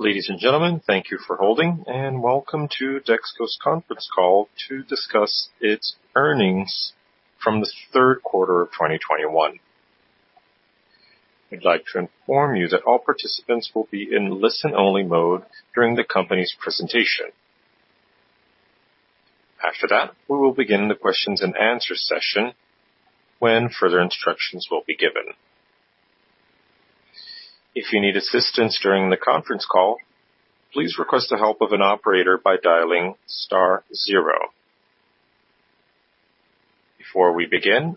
Ladies and gentlemen, thank you for holding and welcome to Dexco's conference call to discuss its earnings from the third quarter of 2021. I'd like to inform you that all participants will be in listen-only mode during the company's presentation. After that, we will begin the Q&A session when further instructions will be given. If you need assistance during the conference call, please request the help of an operator by dialing star zero. Before we begin,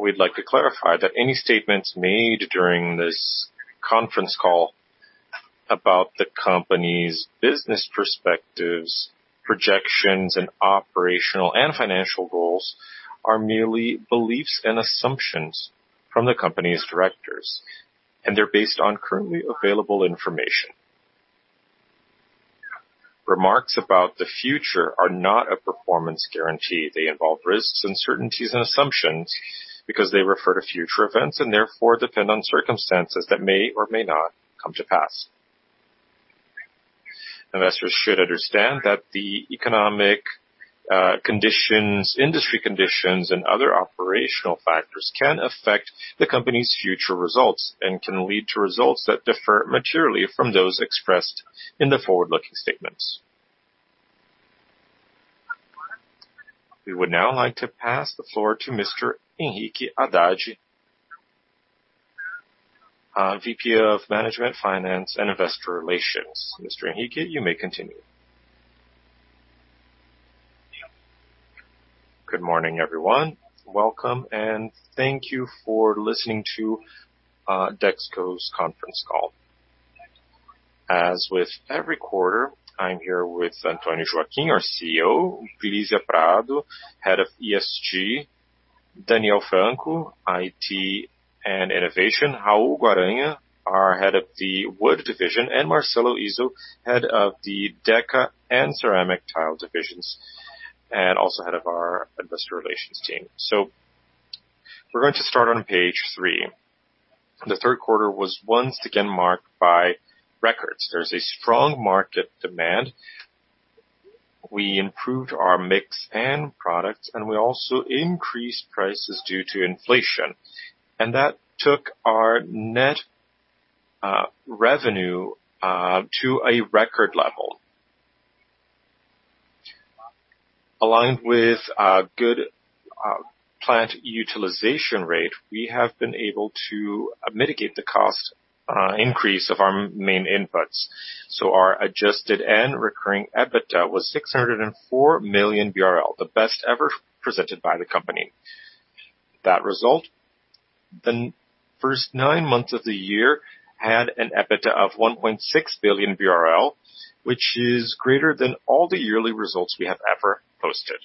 we'd like to clarify that any statements made during this conference call about the company's business perspectives, projections, and operational and financial goals are merely beliefs and assumptions from the company's directors, and they're based on currently available information. Remarks about the future are not a performance guarantee. They involve risks, uncertainties, and assumptions because they refer to future events and therefore depend on circumstances that may or may not come to pass. Investors should understand that the economic conditions, industry conditions, and other operational factors can affect the company's future results and can lead to results that differ materially from those expressed in the forward-looking statements. We would now like to pass the floor to Mr. Henrique Haddad, VP of Management, Finance, and Investor Relations. Mr. Henrique, you may continue. Good morning, everyone. Welcome, and thank you for listening to Dexco's conference call. As with every quarter, I'm here with Antonio Joaquim, our CEO, Felicia Prado, head of ESG, Daniel Franco, IT and Innovation, Raul Guaragna, our Head of the Wood Division, and Marcelo Izzo, Head of the Deca and Ceramic Tile divisions, and also Head of our Investor Relations team. We're going to start on page three. The third quarter was once again marked by records. There's a strong market demand. We improved our mix and products, and we also increased prices due to inflation. That took our net revenue to a record level. Along with a good plant utilization rate, we have been able to mitigate the cost increase of our main inputs. Our adjusted and recurring EBITDA was 604 million BRL, the best ever presented by the company. The first nine months of the year had an EBITDA of 1.6 billion BRL, which is greater than all the yearly results we have ever posted.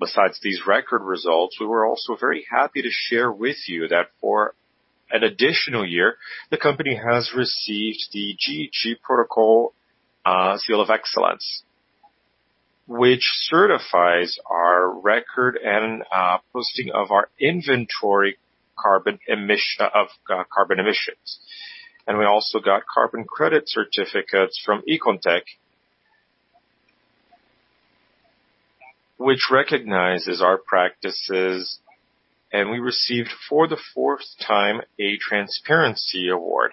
Besides these record results, we were also very happy to share with you that for an additional year, the company has received the GHG Protocol Seal of Excellence, which certifies our record and posting of our carbon emissions. We also got carbon credit certificates from Econtech, which recognizes our practices, and we received for the fourth time a Transparency Award,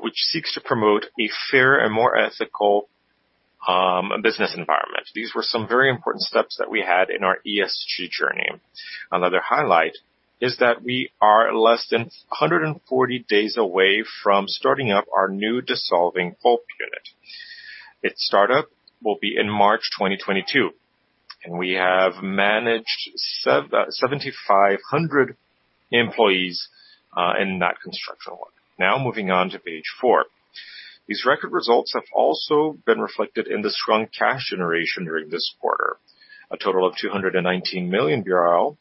which seeks to promote a fair and more ethical business environment. These were some very important steps that we had in our ESG journey. Another highlight is that we are less than 140 days away from starting up our new dissolving pulp unit. Its startup will be in March 2022, and we have managed 7,500 employees in that construction work. Now moving on to page four. These record results have also been reflected in the strong cash generation during this quarter, a total of 219 million BRL,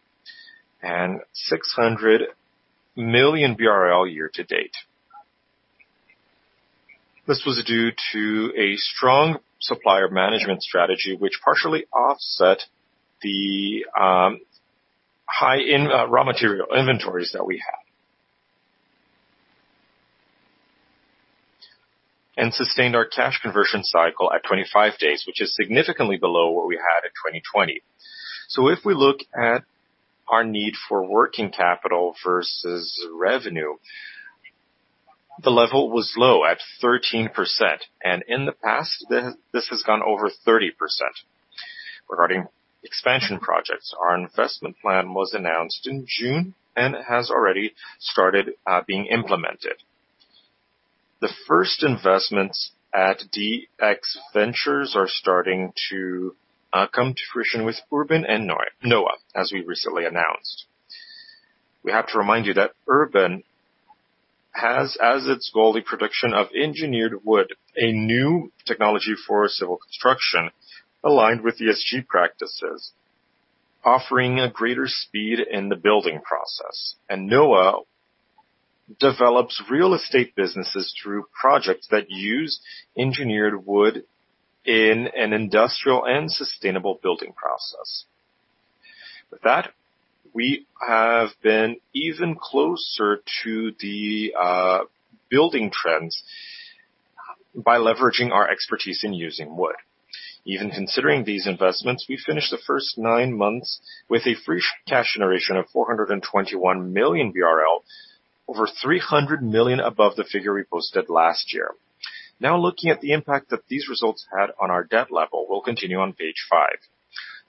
and 600 million BRL year-to-date. This was due to a strong supplier management strategy which partially offset the high raw material inventories that we had and sustained our cash conversion cycle at 25 days, which is significantly below what we had in 2020. If we look at our need for working capital versus revenue, the level was low at 13%, and in the past, this has gone over 30%. Regarding expansion projects, our investment plan was announced in June and has already started being implemented. The first investments at DX Ventures are starting to come to fruition with Urbem and Noah, as we recently announced. We have to remind you that Urbem has as its goal the production of engineered wood, a new technology for civil construction aligned with ESG practices, offering a greater speed in the building process. Noah develops real estate businesses through projects that use engineered wood in an industrial and sustainable building process. With that, we have been even closer to the building trends by leveraging our expertise in using wood. Even considering these investments, we finished the first nine months with a free cash generation of 421 million BRL, over 300 million above the figure we posted last year. Now, looking at the impact that these results had on our debt level, we'll continue on page five.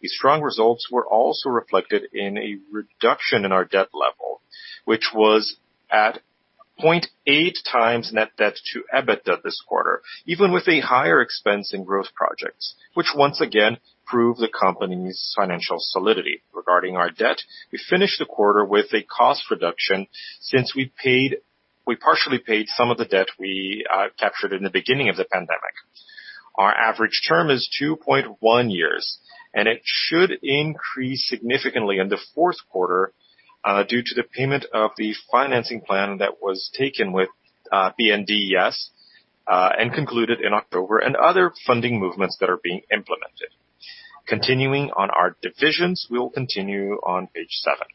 These strong results were also reflected in a reduction in our debt level, which was at 0.8x net debt to EBITDA this quarter, even with a higher expense in growth projects, which once again prove the company's financial solidity. Regarding our debt, we finished the quarter with a cost reduction since we partially paid some of the debt we captured in the beginning of the pandemic. Our average term is 2.1 years, and it should increase significantly in the fourth quarter due to the payment of the financing plan that was taken with BNDES and concluded in October, and other funding movements that are being implemented. Continuing on our divisions, we will continue on page seven.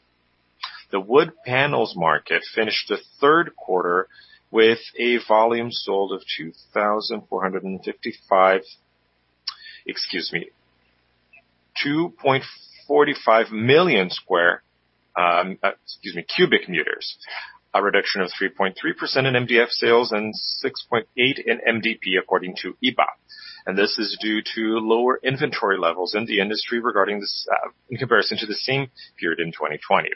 The wood panels market finished the third quarter with a volume sold of 2.45 million cubic meters. A reduction of 3.3% in MDF sales and 6.8% in MDP, according to IBÁ. This is due to lower inventory levels in the industry regarding this in comparison to the same period in 2020.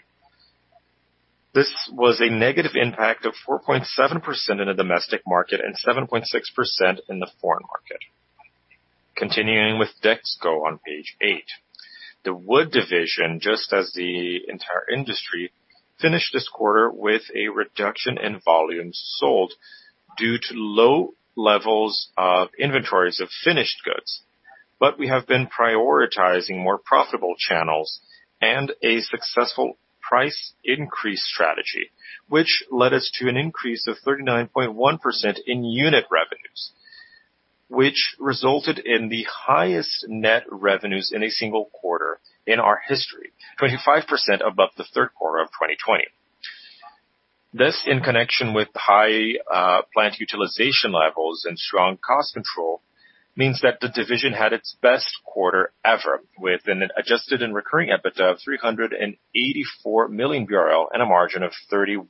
This was a negative impact of 4.7% in the domestic market and 7.6% in the foreign market. Continuing with Dexco on page eight. The wood division, just as the entire industry, finished this quarter with a reduction in volume sold due to low levels of inventories of finished goods. We have been prioritizing more profitable channels and a successful price increase strategy, which led us to an increase of 39.1% in unit revenues, which resulted in the highest net revenues in a single quarter in our history, 25% above the third quarter of 2020. This, in connection with high plant utilization levels and strong cost control, means that the division had its best quarter ever with an adjusted and recurring EBITDA of 384 million BRL and a margin of 31%.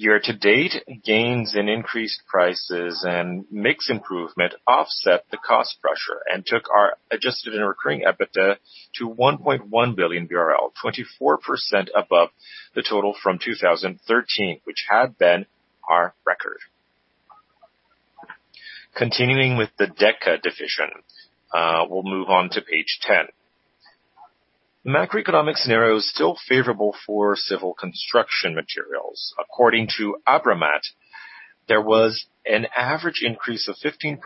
Year-to-date, gains in increased prices and mix improvement offset the cost pressure and took our adjusted and recurring EBITDA to 1.1 billion BRL, 24% above the total from 2013, which had been our record. Continuing with the Deca division, we'll move on to page 10. The macroeconomic scenario is still favorable for civil construction materials. According to ABRAMAT, there was an average increase of 15%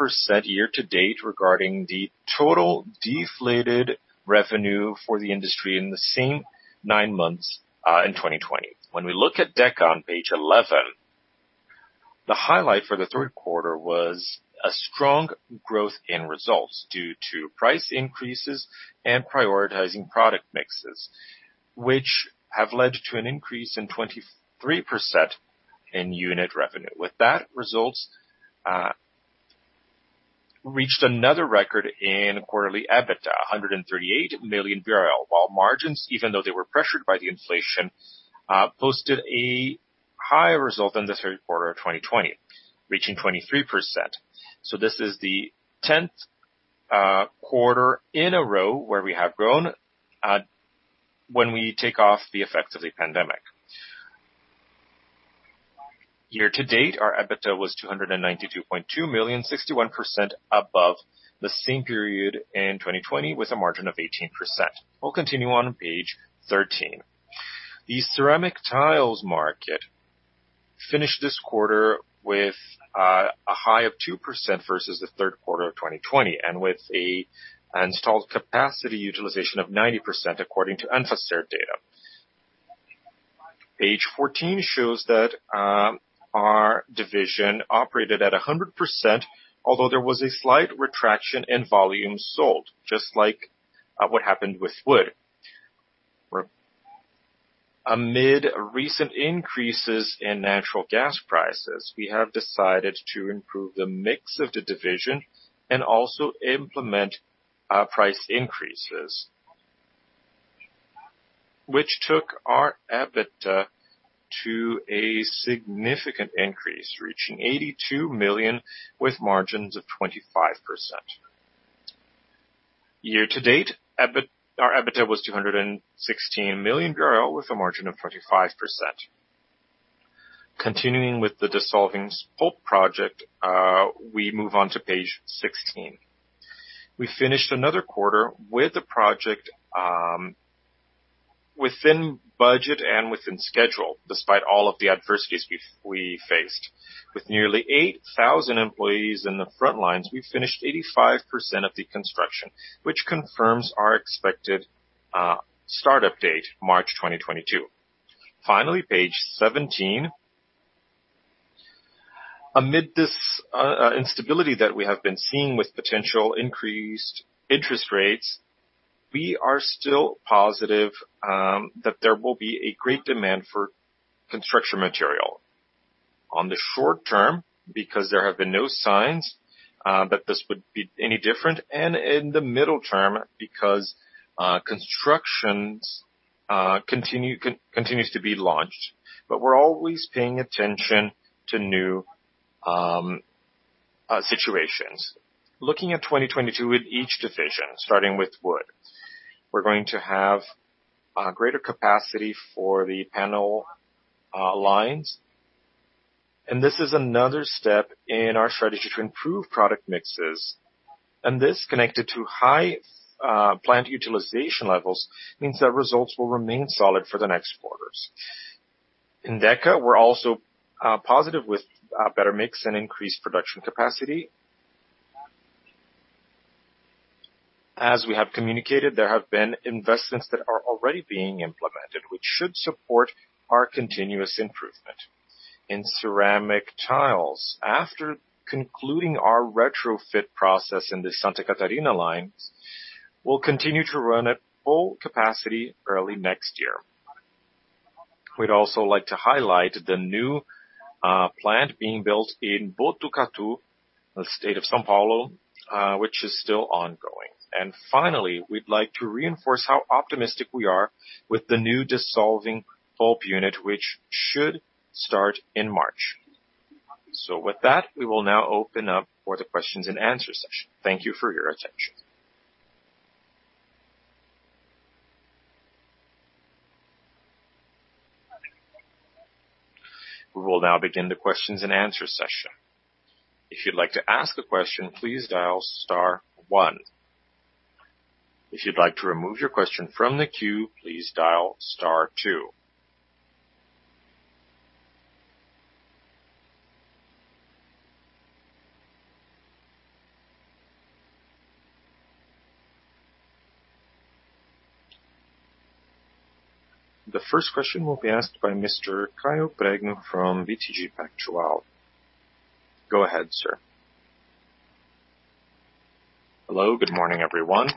year to date regarding the total deflated revenue for the industry in the same nine months in 2020. When we look at Deca on page 11, the highlight for the third quarter was a strong growth in results due to price increases and prioritizing product mixes, which have led to an increase in 23% in unit revenue. With that, results reached another record in quarterly EBITDA, 138 million. While margins, even though they were pressured by the inflation, posted a higher result than the third quarter of 2020, reaching 23%. This is the tenth quarter in a row where we have grown when we take off the effects of the pandemic. Year to date, our EBITDA was 292.2 million, 61% above the same period in 2020 with a margin of 18%. We'll continue on page 13. The ceramic tiles market finished this quarter with a high of 2% versus the third quarter of 2020, and with an installed capacity utilization of 90% according to ANFACER data. Page 14 shows that our division operated at 100%, although there was a slight contraction in volume sold, just like what happened with wood. Amid recent increases in natural gas prices, we have decided to improve the mix of the division and also implement price increases, which took our EBITDA to a significant increase, reaching 82 million, with margins of 25%. Year to date, our EBITDA was BRL 216 million with a margin of 25%. Continuing with the Dissolving Pulp Project, we move on to page 16. We finished another quarter with the project within budget and within schedule, despite all of the adversities we faced. With nearly 8,000 employees in the front lines, we finished 85% of the construction, which confirms our expected start-up date, March 2022. Finally, page seventeen. Amid this instability that we have been seeing with potential increased interest rates, we are still positive that there will be a great demand for construction material on the short term because there have been no signs that this would be any different, and in the middle term because construction continues to be launched, but we're always paying attention to new situations. Looking at 2022 with each division, starting with wood. We're going to have a greater capacity for the panel lines. This is another step in our strategy to improve product mixes. This connected to high plant utilization levels means that results will remain solid for the next quarters. In Deca, we're also positive with better mix and increased production capacity. As we have communicated, there have been investments that are already being implemented which should support our continuous improvement. In ceramic tiles, after concluding our retrofit process in the Santa Catarina line, we'll continue to run at full capacity early next year. We'd also like to highlight the new plant being built in Botucatu, the state of São Paulo, which is still ongoing. Finally, we'd like to reinforce how optimistic we are with the new dissolving pulp unit, which should start in March. With that, we will now open up for the questions and answer session. Thank you for your attention. We will now begin the questions and answer session. If you'd like to ask a question, please dial star one. If you'd like to remove your question from the queue, please dial star two. The first question will be asked by Mr. Caio Pregnolato from BTG Pactual. Hello, good morning, everyone.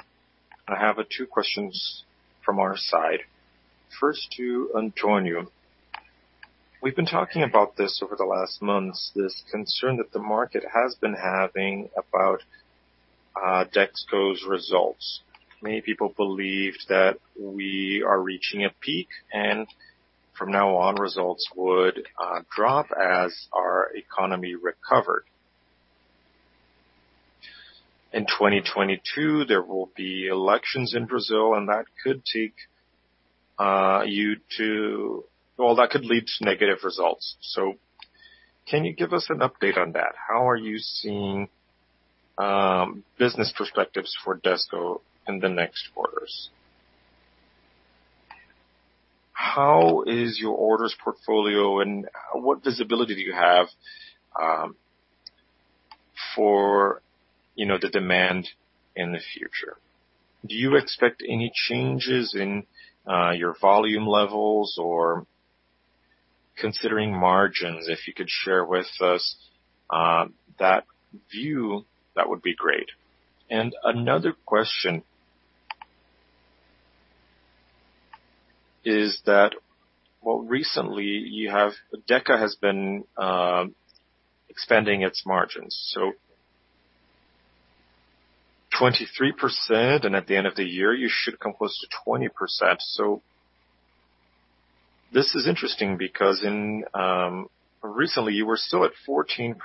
I have two questions from our side. First to Antonio. We've been talking about this over the last months, this concern that the market has been having about Dexco's results. Many people believed that we are reaching a peak and from now on results would drop as our economy recovered. In 2022, there will be elections in Brazil, and that could lead to negative results. Can you give us an update on that? How are you seeing business perspectives for Dexco in the next quarters? How is your orders portfolio, and what visibility do you have for you know the demand in the future? Do you expect any changes in your volume levels or considering margins, if you could share with us that view, that would be great. Another question is that, well, recently, Deca has been expanding its margins. 23%, and at the end of the year, you should come close to 20%. This is interesting because recently you were still at 14%.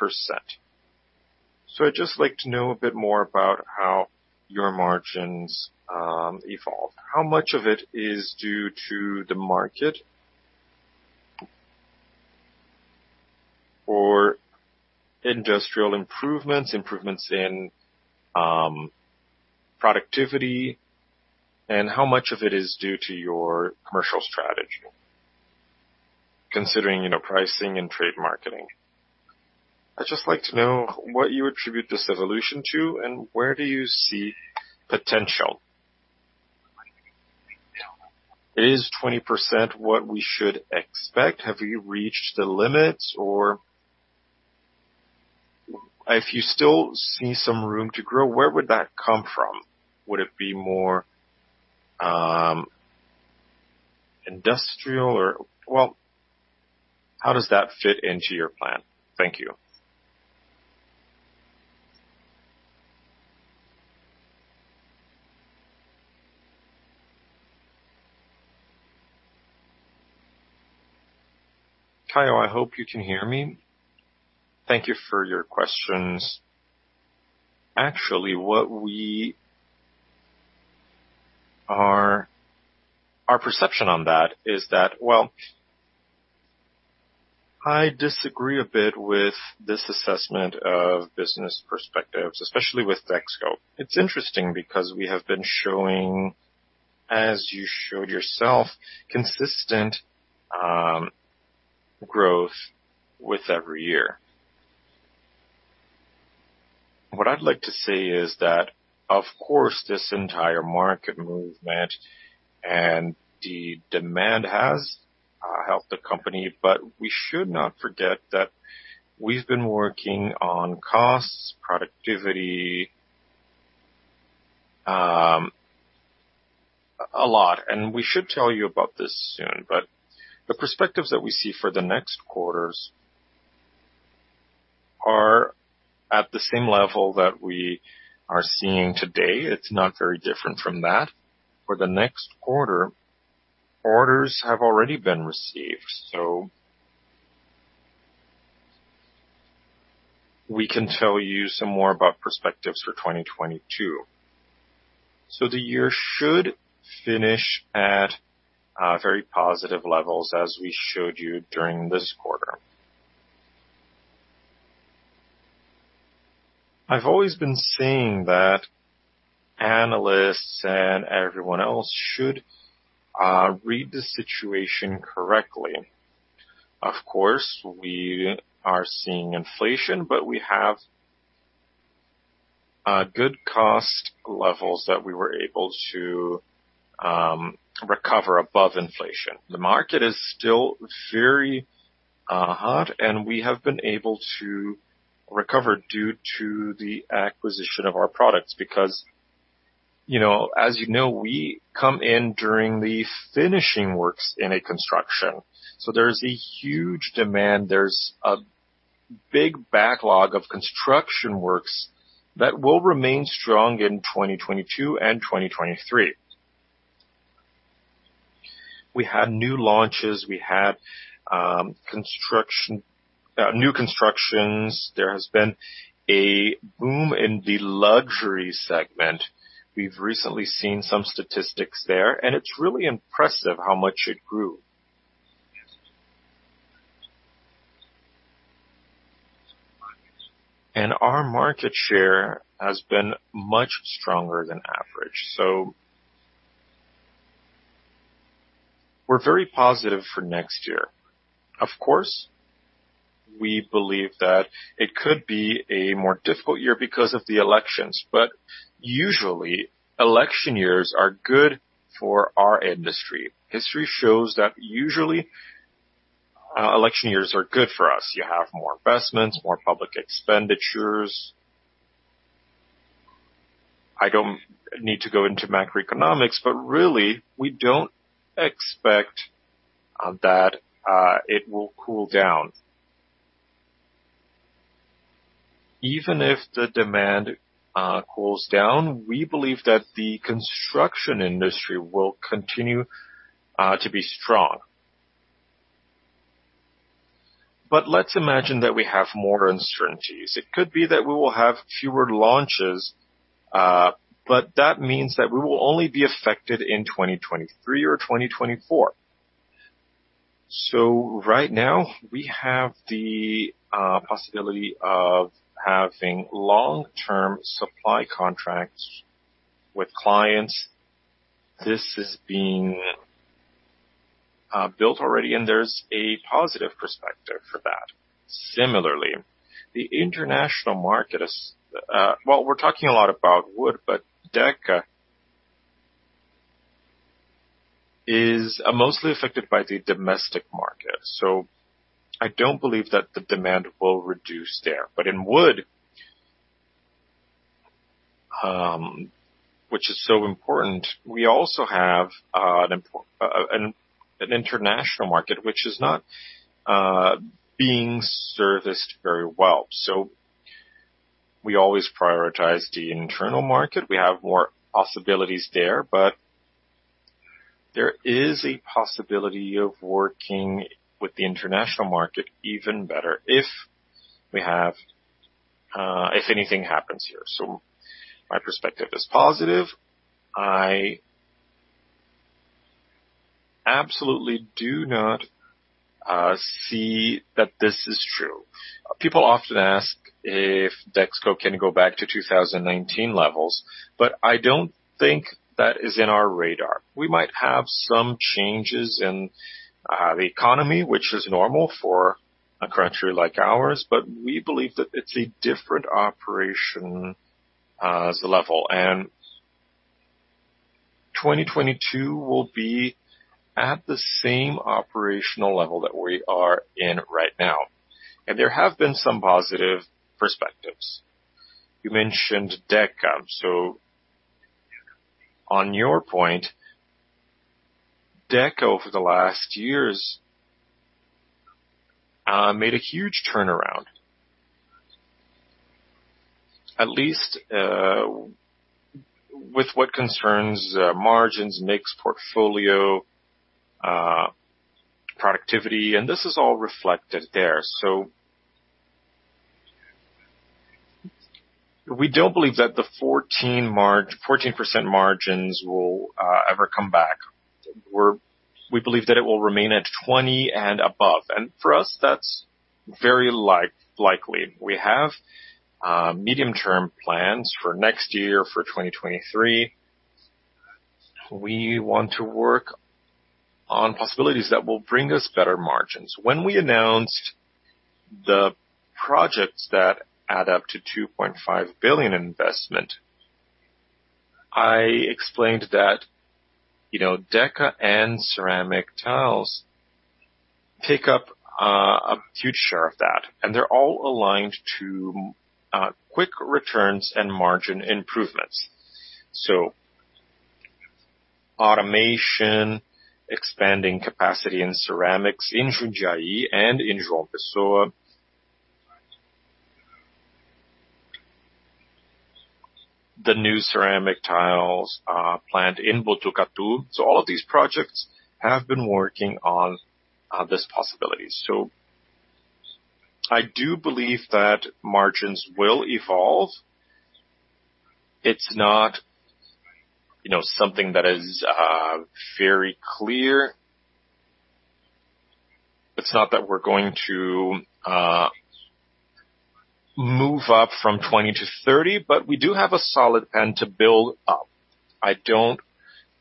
I'd just like to know a bit more about how your margins evolve. How much of it is due to the market or industrial improvements in productivity, and how much of it is due to your commercial strategy, considering, you know, pricing and trade marketing. I'd just like to know what you attribute this evolution to and where do you see potential. Is 20% what we should expect? Have you reached the limits or if you still see some room to grow, where would that come from? Would it be more industrial or, well, how does that fit into your plan? Thank you. Caio, I hope you can hear me. Thank you for your questions. Actually, our perception on that is that, well, I disagree a bit with this assessment of business perspectives, especially with Dexco. It's interesting because we have been showing, as you showed yourself, consistent growth with every year. What I'd like to say is that, of course, this entire market movement and the demand has helped the company, but we should not forget that we've been working on costs, productivity a lot, and we should tell you about this soon. The perspectives that we see for the next quarters are at the same level that we are seeing today. It's not very different from that. For the next quarter, orders have already been received, so we can tell you some more about perspectives for 2022. The year should finish at very positive levels as we showed you during this quarter. I've always been saying that analysts and everyone else should read the situation correctly. Of course, we are seeing inflation, but we have good cost levels that we were able to recover above inflation. The market is still very hot, and we have been able to recover due to the acquisition of our products. Because, you know, as you know, we come in during the finishing works in a construction. There's a huge demand, there's a big backlog of construction works that will remain strong in 2022 and 2023. We have new launches. We have new constructions. There has been a boom in the luxury segment. We've recently seen some statistics there, and it's really impressive how much it grew. Our market share has been much stronger than average. We're very positive for next year. Of course, we believe that it could be a more difficult year because of the elections, but usually, election years are good for our industry. History shows that usually election years are good for us. You have more investments, more public expenditures. I don't need to go into macroeconomics, but really, we don't expect that it will cool down. Even if the demand cools down, we believe that the construction industry will continue to be strong. Let's imagine that we have more uncertainties. It could be that we will have fewer launches, but that means that we will only be affected in 2023 or 2024. Right now, we have the possibility of having long-term supply contracts with clients. This is being built already, and there's a positive perspective for that. Similarly, the international market is well, we're talking a lot about wood, but Deca is mostly affected by the domestic market, so I don't believe that the demand will reduce there. In wood, which is so important, we also have an international market which is not being serviced very well. We always prioritize the internal market. We have more possibilities there, but there is a possibility of working with the international market even better if anything happens here. My perspective is positive. I absolutely do not see that this is true. People often ask if Dexco can go back to 2019 levels, but I don't think that is in our radar. We might have some changes in the economy, which is normal for a country like ours, but we believe that it's a different operation as a level. 2022 will be at the same operational level that we are in right now. There have been some positive perspectives. You mentioned Deca. On your point, Deca, over the last years made a huge turnaround, at least with what concerns margins, mix, portfolio, productivity, and this is all reflected there. We don't believe that the 14% margins will ever come back. We believe that it will remain at 20% and above. For us, that's very likely. We have medium-term plans for next year, for 2023. We want to work on possibilities that will bring us better margins. When we announced the projects that add up to 2.5 billion investment, I explained that, you know, Deca and ceramic tiles take up a huge share of that, and they're all aligned to quick returns and margin improvements, automation, expanding capacity in ceramics in Ruyai and in João Pessoa. The new ceramic tiles plant in Botucatu. All of these projects have been working on this possibility. I do believe that margins will evolve. It's not, you know, something that is very clear. It's not that we're going to move up from 20%-30%, but we do have a solid end to build up. I don't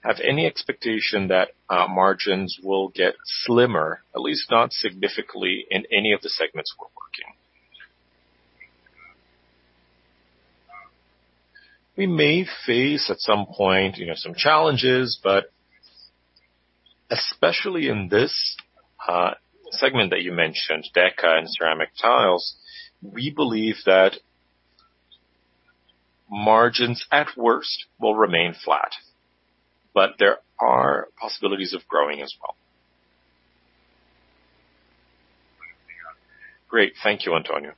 have any expectation that margins will get slimmer, at least not significantly in any of the segments we're working. We may face, at some point, you know, some challenges, but especially in this segment that you mentioned, Deca and ceramic tiles, we believe that margins at worst will remain flat. But there are possibilities of growing as well. Great. Thank you, Antonio.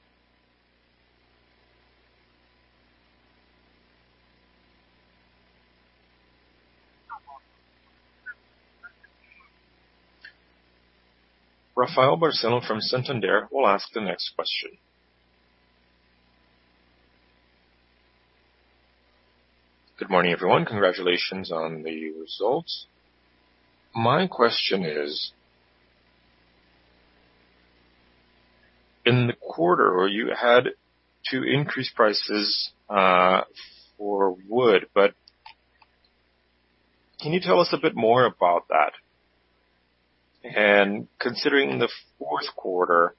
Rafael Barcellos from Santander will ask the next question. Good morning, everyone. Congratulations on the results. My question is, in the quarter where you had to increase prices for wood, but can you tell us a bit more about that? And considering the fourth quarter,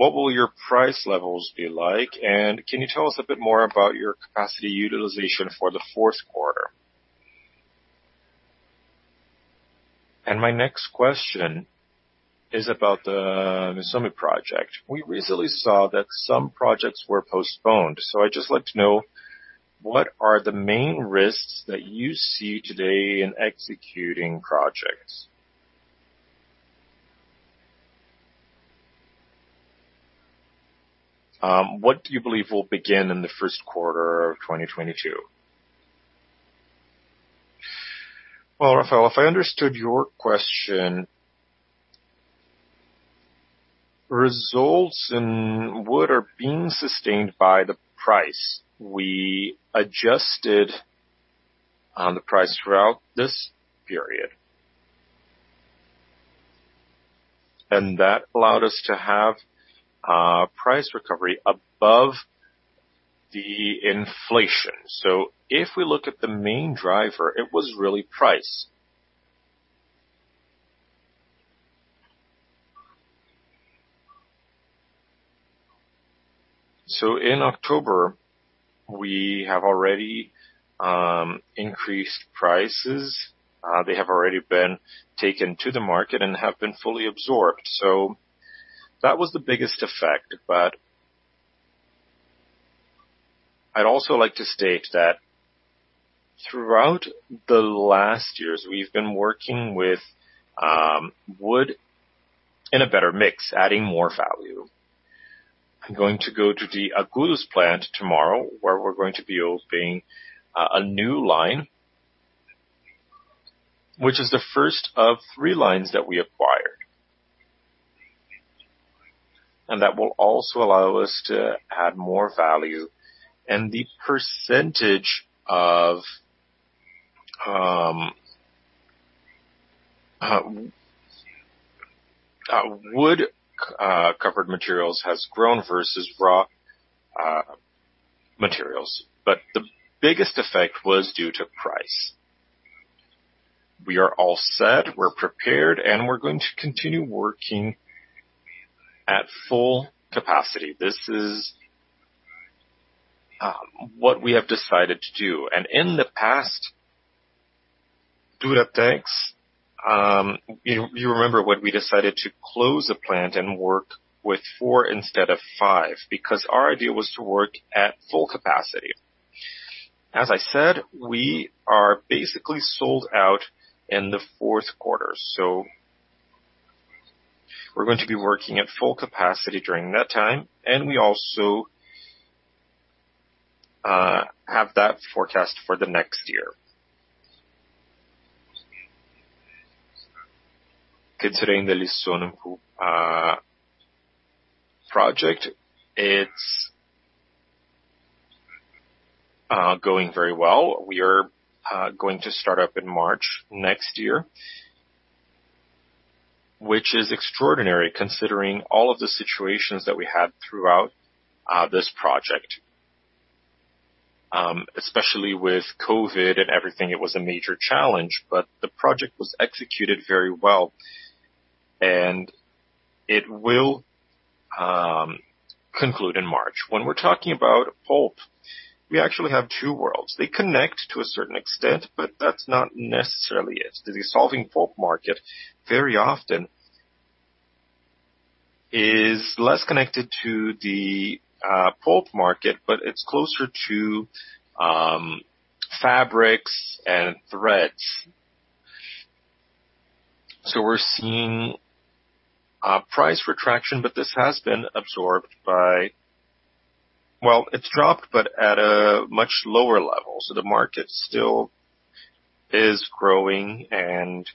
what will your price levels be like? Can you tell us a bit more about your capacity utilization for the fourth quarter? My next question is about the Mesoni project. We recently saw that some projects were postponed. I'd just like to know what are the main risks that you see today in executing projects? What do you believe will begin in the first quarter of 2022? Rafael, if I understood your question, results in wood are being sustained by the price. We adjusted on the price throughout this period. That allowed us to have price recovery above the inflation. If we look at the main driver, it was really price. In October, we have already increased prices. They have already been taken to the market and have been fully absorbed. That was the biggest effect. I'd also like to state that throughout the last years, we've been working with wood in a better mix, adding more value. I'm going to go to the Agudos plant tomorrow, where we're going to be opening a new line, which is the first of three lines that we acquired. That will also allow us to add more value. The percentage of wood covered materials has grown versus raw materials. The biggest effect was due to price. We are all set, we're prepared, and we're going to continue working at full capacity. This is what we have decided to do. In the past Duratex, you remember when we decided to close a plant and work with four instead of five because our idea was to work at full capacity. As I said, we are basically sold out in the fourth quarter. We're going to be working at full capacity during that time. We also have that forecast for the next year. Considering the Lenzing project, it's going very well. We are going to start up in March next year. Which is extraordinary considering all of the situations that we had throughout this project, especially with COVID and everything, it was a major challenge, but the project was executed very well, and it will conclude in March. When we're talking about pulp, we actually have two worlds. They connect to a certain extent, but that's not necessarily it. The dissolving pulp market very often is less connected to the pulp market, but it's closer to fabrics and threads. We're seeing a price retraction, but this has been absorbed by, well, it's dropped, but at a much lower level. The market still is growing, and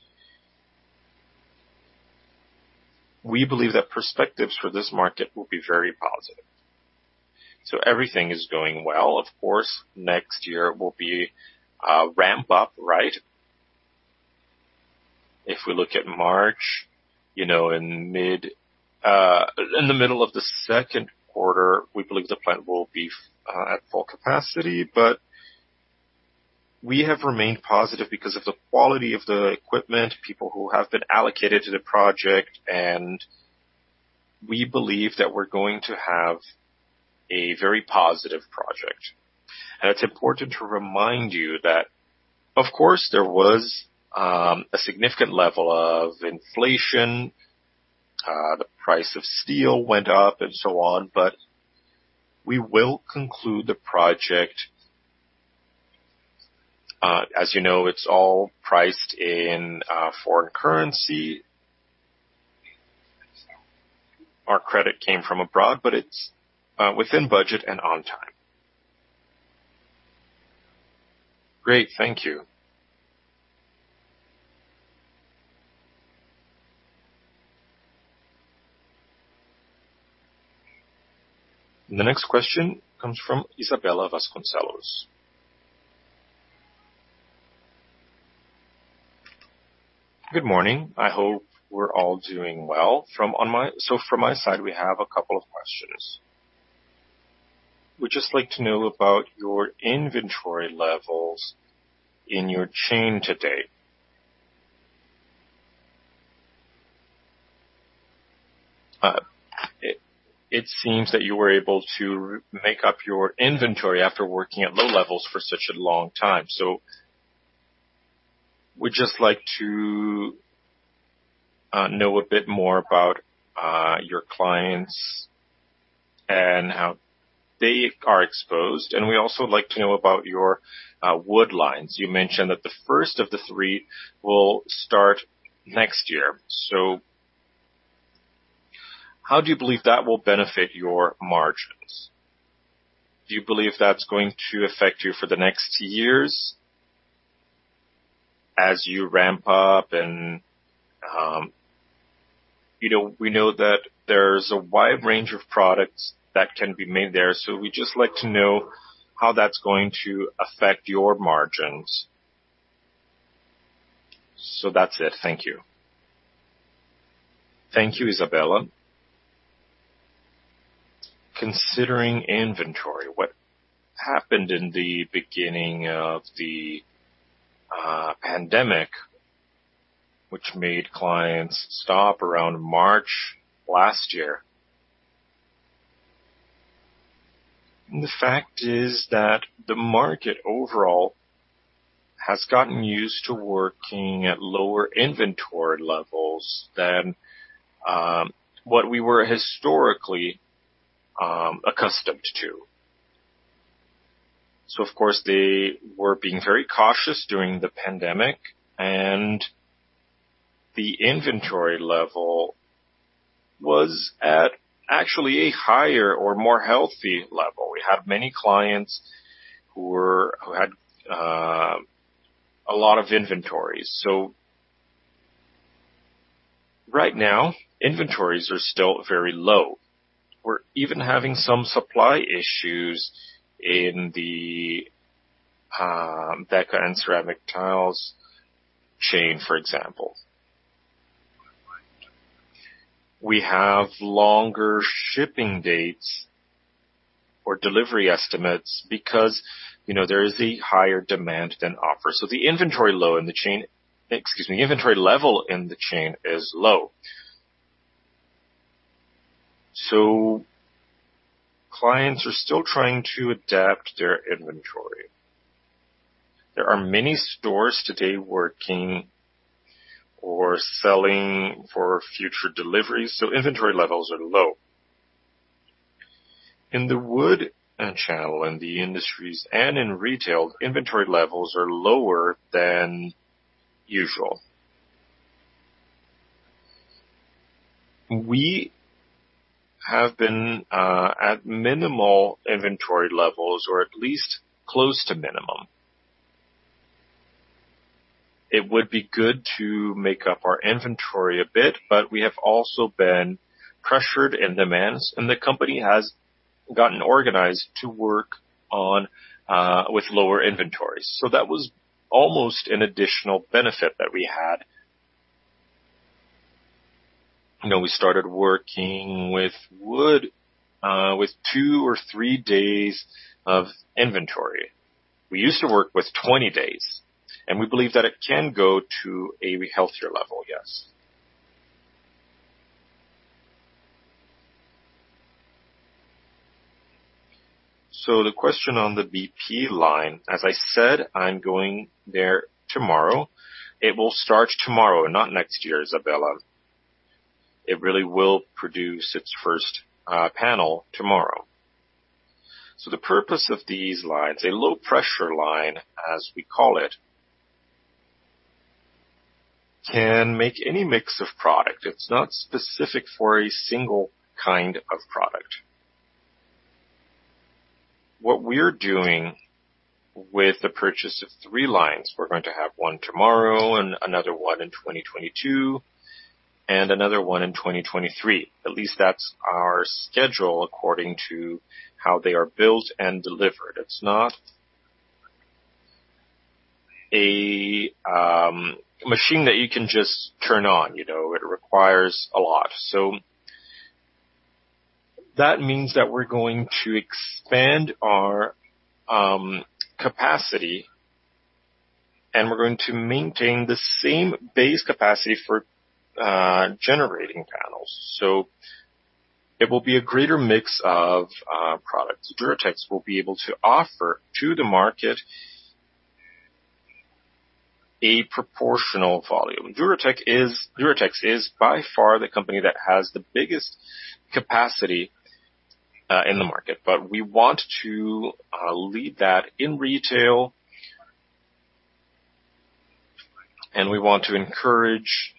we believe that perspectives for this market will be very positive. Everything is going well. Of course, next year will be a ramp-up, right? If we look at March, you know, in mid, in the middle of the second quarter, we believe the plant will be at full capacity. We have remained positive because of the quality of the equipment, people who have been allocated to the project, and we believe that we're going to have a very positive project. It's important to remind you that, of course, there was a significant level of inflation, the price of steel went up, and so on, but we will conclude the project. As you know, it's all priced in, foreign currency. Our credit came from abroad, but it's within budget and on time. Great. Thank you. The next question comes from Isabella Vasconcelos. Good morning. I hope we're all doing well. From my side, we have a couple of questions. We'd just like to know about your inventory levels in your chain today. It seems that you were able to make up your inventory after working at low levels for such a long time. We'd just like to know a bit more about your clients and how they are exposed. We also like to know about your wood lines. You mentioned that the first of the three will start next year. How do you believe that will benefit your margins? Do you believe that's going to affect you for the next years as you ramp up and, you know, we know that there's a wide range of products that can be made there. We'd just like to know how that's going to affect your margins. That's it. Thank you. Thank you, Isabella. Considering inventory, what happened in the beginning of the pandemic, which made clients stop around March last year. The fact is that the market overall has gotten used to working at lower inventory levels than, what we were historically, accustomed to. Of course, they were being very cautious during the pandemic, and the inventory level was at actually a higher or more healthy level. We have many clients who had a lot of inventories. Right now, inventories are still very low. We're even having some supply issues in the Deca and ceramic tiles chain, for example. We have longer shipping dates or delivery estimates because, you know, there is higher demand than supply. Inventory level in the chain is low. Clients are still trying to adapt their inventory. There are many stores today working or selling for future deliveries, so inventory levels are low. In the wood channel, in the industries and in retail, inventory levels are lower than usual. We have been at minimal inventory levels, or at least close to minimum. It would be good to make up our inventory a bit, but we have also been pressured in demands, and the company has gotten organized to work on with lower inventories. That was almost an additional benefit that we had. Now we started working with wood, with two or three days of inventory. We used to work with 20 days, and we believe that it can go to a healthier level, yes. The question on the BP line, as I said, I'm going there tomorrow. It will start tomorrow and not next year, Isabella. It really will produce its first panel tomorrow. The purpose of these lines, a low pressure line, as we call it. Can make any mix of product. It's not specific for a single kind of product. What we're doing with the purchase of three lines, we're going to have one tomorrow and another one in 2022, and another one in 2023. At least that's our schedule according to how they are built and delivered. It's not a machine that you can just turn on, you know. It requires a lot. That means that we're going to expand our capacity, and we're going to maintain the same base capacity for generating panels. It will be a greater mix of products. Duratex will be able to offer to the market a proportional volume. Duratex is by far the company that has the biggest capacity in the market, but we want to lead that in retail, and we want to encourage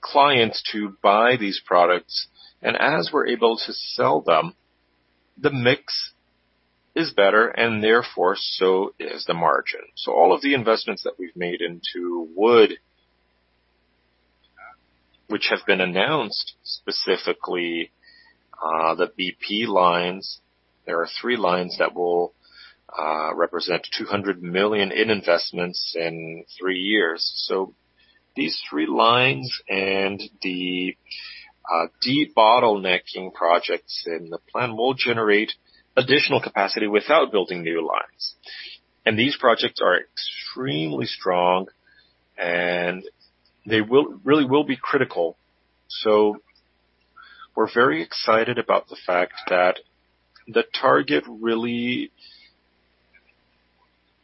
clients to buy these products. As we're able to sell them, the mix is better, and therefore, so is the margin. All of the investments that we've made into wood, which have been announced, specifically, the BP lines, there are three lines that will represent 200 million in investments in three years. These three lines and the debottlenecking projects in the plan will generate additional capacity without building new lines. These projects are extremely strong, and they really will be critical. We're very excited about the fact that the target really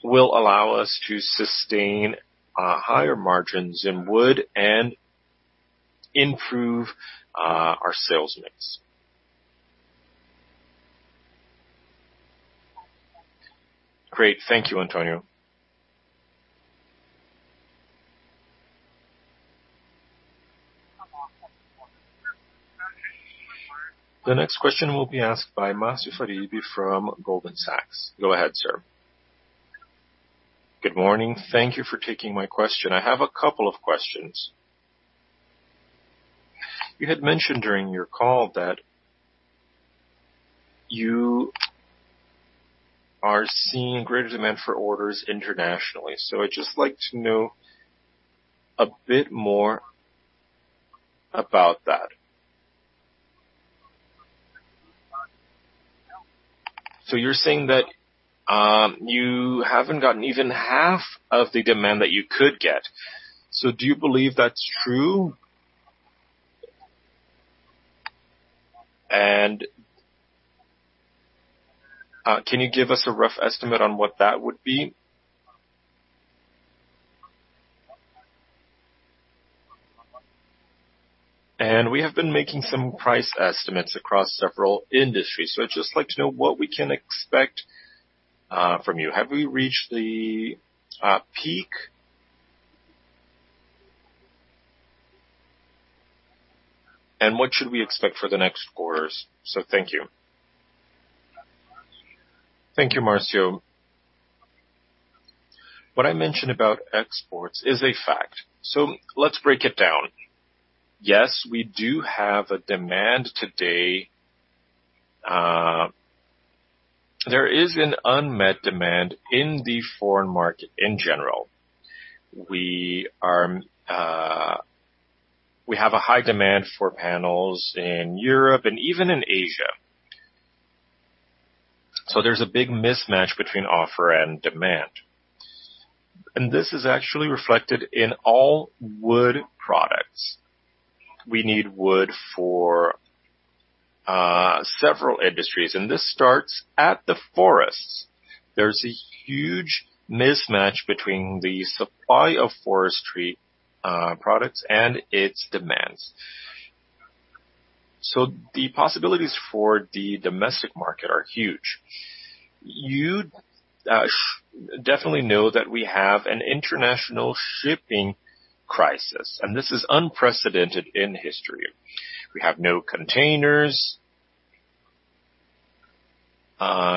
will allow us to sustain higher margins in wood and improve our sales mix. Great. Thank you, Antonio. The next question will be asked by Marcio Farid from Goldman Sachs. Go ahead, sir. Good morning. Thank you for taking my question. I have a couple of questions. You had mentioned during your call that you are seeing greater demand for orders internationally. I'd just like to know a bit more about that. You're saying that you haven't gotten even half of the demand that you could get. Do you believe that's true? Can you give us a rough estimate on what that would be? We have been making some price estimates across several industries. I'd just like to know what we can expect from you. Have we reached the peak? What should we expect for the next quarters? Thank you. Thank you, Marcio. What I mentioned about exports is a fact. Let's break it down. Yes, we do have a demand today. There is an unmet demand in the foreign market in general. We have a high demand for panels in Europe and even in Asia. There's a big mismatch between offer and demand. This is actually reflected in all wood products. We need wood for several industries, and this starts at the forests. There's a huge mismatch between the supply of forestry products and its demands. The possibilities for the domestic market are huge. You definitely know that we have an international shipping crisis, and this is unprecedented in history. We have no containers.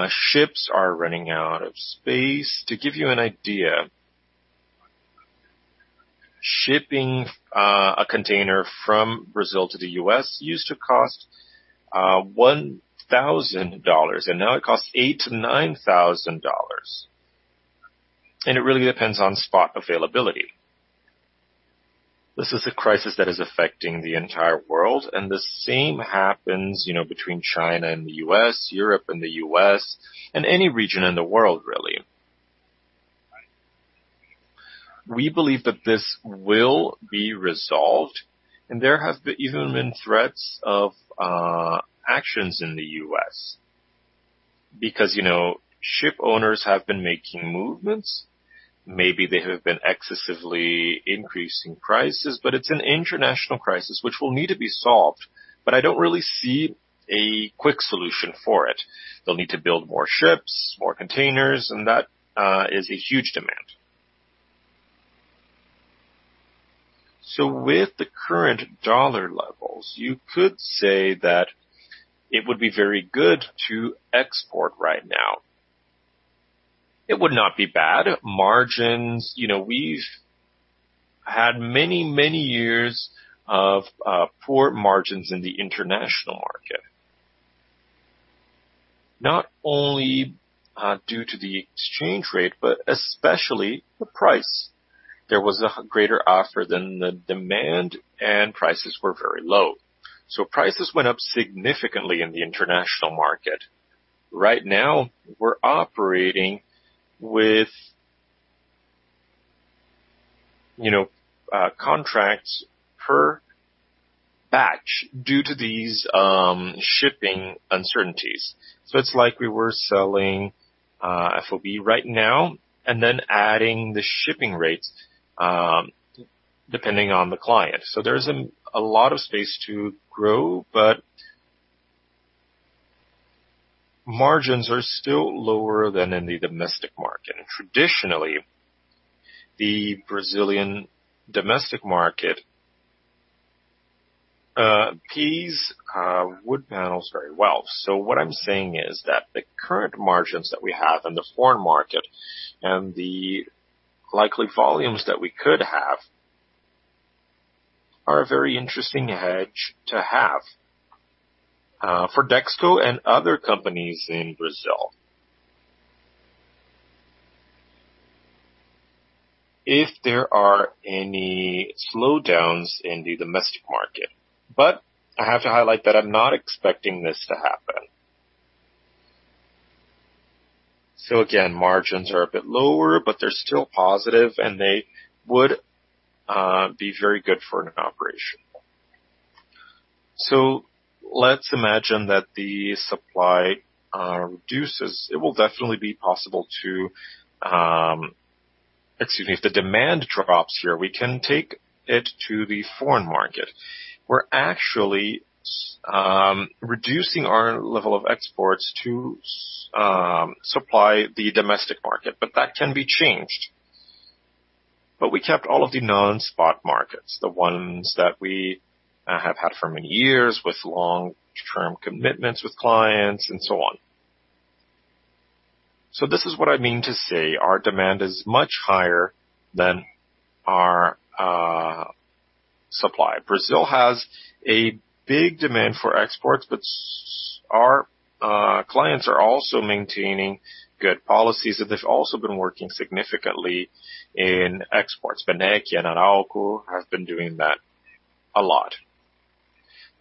Ships are running out of space. To give you an idea, shipping a container from Brazil to the U.S. used to cost $1,000, and now it costs $8,000-$9,000. It really depends on spot availability. This is a crisis that is affecting the entire world, and the same happens, you know, between China and the U.S., Europe and the U.S., and any region in the world, really. We believe that this will be resolved, and there have even been threats of actions in the U.S. because, you know, ship owners have been making movements. Maybe they have been excessively increasing prices, but it's an international crisis which will need to be solved. I don't really see a quick solution for it. They'll need to build more ships, more containers, and that is a huge demand. With the current dollar levels, you could say that it would be very good to export right now. It would not be bad. Margins, you know, we've had many, many years of poor margins in the international market. Not only due to the exchange rate, but especially the price. There was a greater offer than the demand, and prices were very low. Prices went up significantly in the international market. Right now, we're operating with, you know, contracts per batch due to these shipping uncertainties. It's like we were selling FOB right now and then adding the shipping rates depending on the client. There's a lot of space to grow, but margins are still lower than in the domestic market. Traditionally, the Brazilian domestic market buys wood panels very well. What I'm saying is that the current margins that we have on the foreign market and the likely volumes that we could have are a very interesting hedge to have for Dexco and other companies in Brazil if there are any slowdowns in the domestic market. I have to highlight that I'm not expecting this to happen. Again, margins are a bit lower, but they're still positive, and they would be very good for an operation. Let's imagine that the supply reduces. It will definitely be possible to, if the demand drops here, we can take it to the foreign market. We're actually reducing our level of exports to supply the domestic market, but that can be changed. We kept all of the non-spot markets, the ones that we have had for many years with long-term commitments with clients and so on. This is what I mean to say, our demand is much higher than our supply. Brazil has a big demand for exports, but our clients are also maintaining good policies that they've also been working significantly in exports. Berneck and Arauco have been doing that a lot.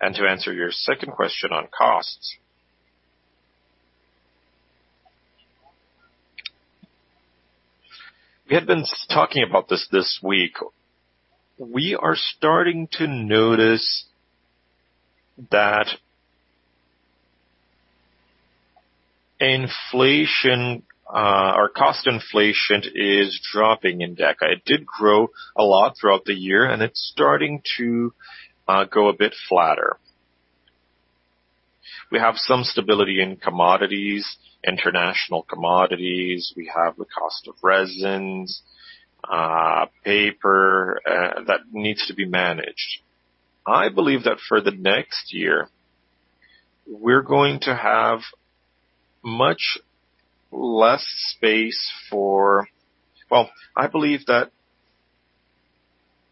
To answer your second question on costs. We had been talking about this this week. We are starting to notice that inflation or cost inflation is dropping in Deca. It did grow a lot throughout the year, and it's starting to go a bit flatter. We have some stability in commodities, international commodities. We have the cost of resins, paper, that needs to be managed. Well, I believe that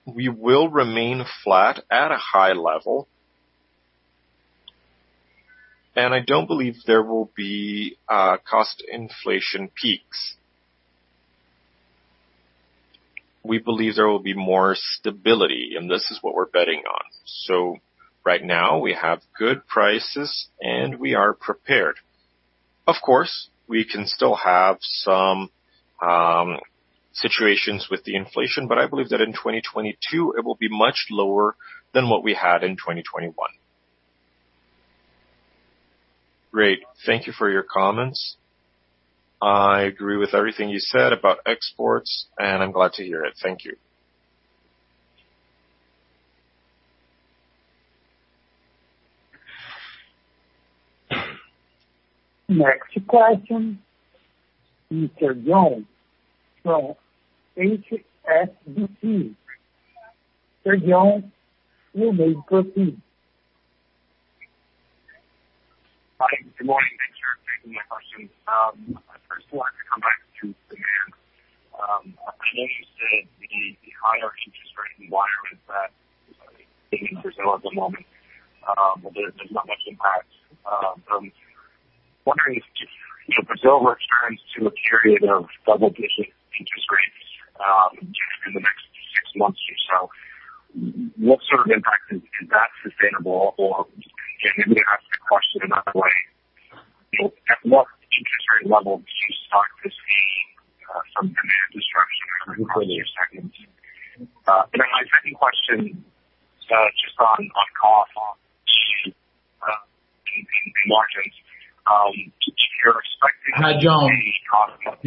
we will remain flat at a high level, and I don't believe there will be cost inflation peaks. We believe there will be more stability, and this is what we're betting on. Right now, we have good prices, and we are prepared. Of course, we can still have some situations with the inflation, but I believe that in 2022 it will be much lower than what we had in 2021. Great. Thank you for your comments. I agree with everything you said about exports, and I'm glad to hear it. Thank you. Next question, Mr. Jon from HSBC. Sir Jon, you may proceed. Good morning. Thanks for taking my question. First of all, I'd like to come back to demand. I'm interested in the higher interest rate environment that's in Brazil at the moment. There's not much impact. I'm wondering if Brazil returns to a period of double-digit interest rates in the next six months or so. What sort of impact is that? Is that sustainable? Or maybe ask the question another way. You know, at what interest rate level do you start to see some demand destruction? My second question, just on cost to margins, if you're expecting- Hi,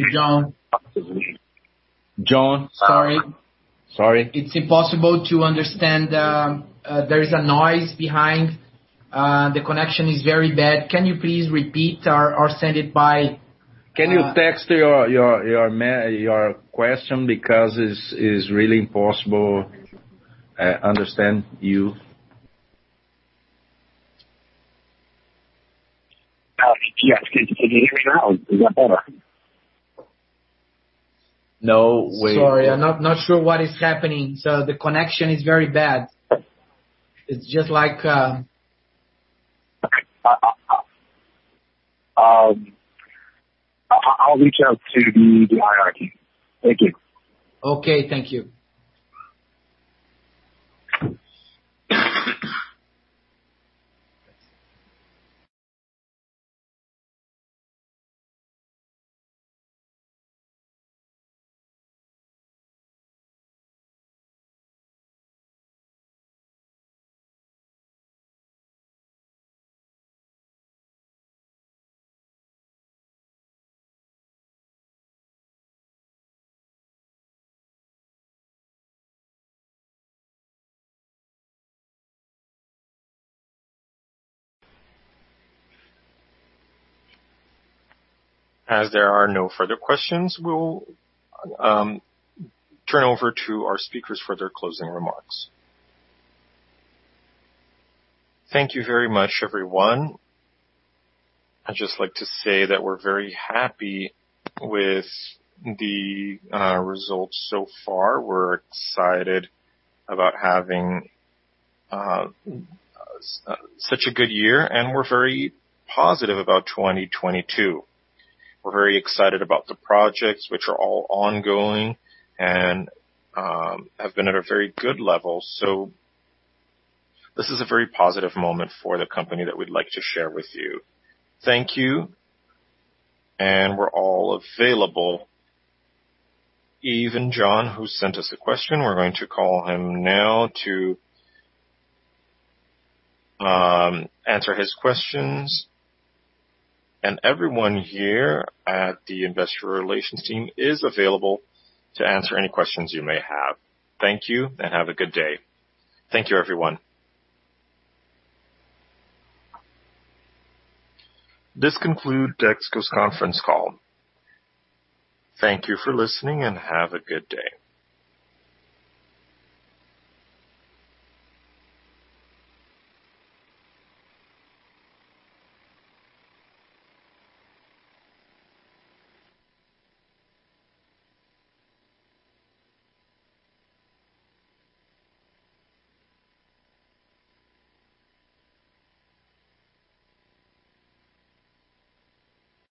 Jon, sorry. Sorry. It's impossible to understand, there's a noise behind. The connection is very bad. Can you please repeat or send it by- Can you text your question because it's really impossible to understand you. Yes. Can you hear me now? Is that better? No way. Sorry. I'm not sure what is happening, so the connection is very bad. It's just like... Okay. I'll reach out to the IR team. Thank you. Okay, thank you. As there are no further questions, we'll turn over to our speakers for their closing remarks. Thank you very much, everyone. I'd just like to say that we're very happy with the results so far. We're excited about having such a good year, and we're very positive about 2022. We're very excited about the projects which are all ongoing and have been at a very good level. This is a very positive moment for the company that we'd like to share with you. Thank you. We're all available. Even Jon, who sent us a question, we're going to call him now to answer his questions. Everyone here at the investor relations team is available to answer any questions you may have. Thank you, and have a good day. Thank you, everyone. This concludes Dexco's conference call. Thank you for listening, and have a good day.